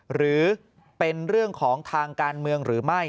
หรือเป็นเรื่องของทางการเมืองหรือไม่